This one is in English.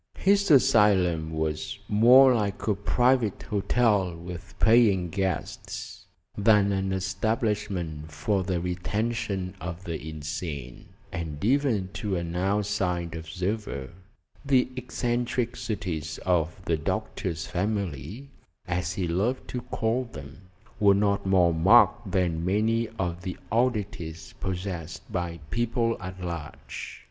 His asylum was more like a private hotel with paying guests than an establishment for the retention of the insane, and even to an outside observer the eccentricities of the doctor's family as he loved to call them were not more marked than many of the oddities possessed by people at large.